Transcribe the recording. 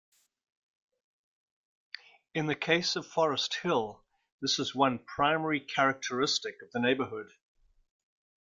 In the case of Forest Hill, this is one primary characteristic of the neighbourhood.